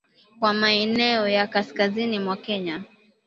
Kwa maeneo ya kaskazini mwa Kenya